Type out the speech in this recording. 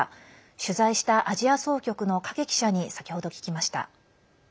取材した、アジア総局の影記者に先ほど聞きました。